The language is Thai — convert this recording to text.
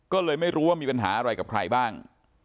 ก็เลยไม่รู้ว่ามีปัญหาอะไรกับใครบ้าง